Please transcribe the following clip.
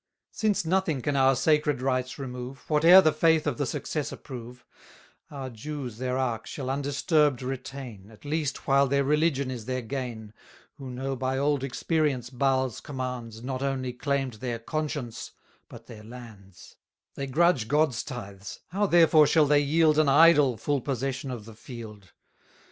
Since nothing can our sacred rites remove, Whate'er the faith of the successor prove: Our Jews their ark shall undisturb'd retain, At least while their religion is their gain, Who know by old experience Baal's commands Not only claim'd their conscience, but their lands; 660 They grudge God's tithes, how therefore shall they yield An idol full possession of the field?